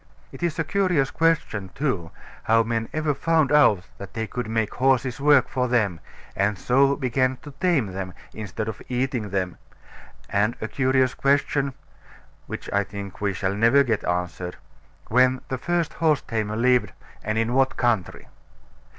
It is a curious question, too, how men ever found out that they could make horses work for them, and so began to tame them, instead of eating them, and a curious question (which I think we shall never get answered) when the first horse tamer lived, and in what country.